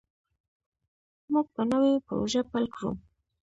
موږ به نوې پروژه پیل کړو.